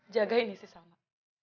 jagain si salma